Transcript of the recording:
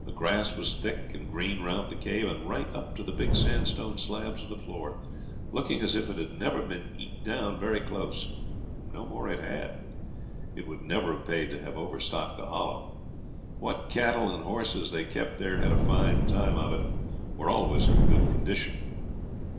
The grass was thick and green round the cave, and right up to the big sandstone slabs of the floor, looking as if it had never been eat down very close. No more it had. It would never have paid to have overstocked the Hollow. What cattle and horses they kept there had a fine time of it, and were always in grand condition.